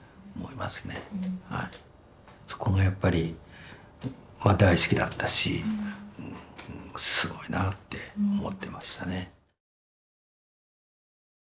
それがやっぱり大好きだったしすごいなって思ってましたね。